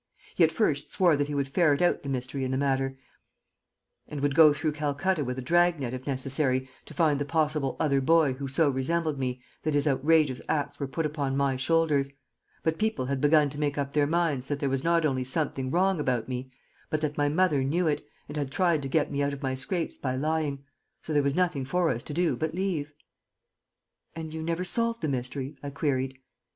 He at first swore that he would ferret out the mystery in the matter, and would go through Calcutta with a drag net if necessary to find the possible other boy who so resembled me that his outrageous acts were put upon my shoulders; but people had be gun to make up their minds that there was not only something wrong about me, but that my mother knew it and had tried to get me out of my scrapes by lying so there was nothing for us to do but leave." "And you never solved the mystery?" I queried.